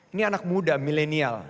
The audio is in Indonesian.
ini anak muda milenial